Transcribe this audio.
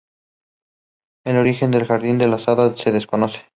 El origen de "El Jardín de las Hadas" se desconoce.